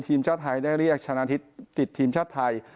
ทีมชาติไทยได้เรียกชนะทิศติดทีมชาติไทย